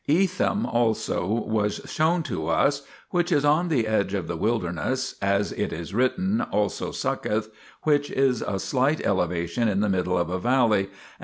Etham 6 also was shown to us, which is on the edge of the wilderness, as it is written, also Succoth, which is a slight elevation in the middle of a valley, and by this 1 Epauleum.